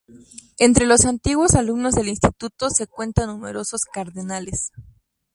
Entre los antiguos alumnos del Instituto se cuentan numerosos cardenales.